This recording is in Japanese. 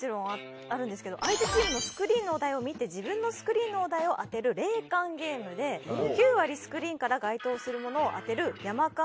相手チームのスクリーンのお題を見て自分のスクリーンのお題を当てる霊感ゲームで９割スクリーンから該当するものを当てるヤマカン